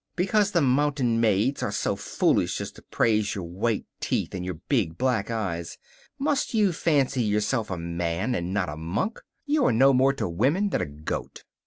Because the mountain maids are so foolish as to praise your white teeth and your big black eyes, must you fancy yourself a man, and not a monk? You are no more to women than a goat!